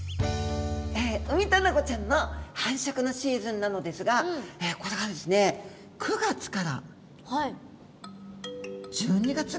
ウミタナゴちゃんの繁殖のシーズンなのですがこれがですね９月から１２月くらいにかけてなんだそうです。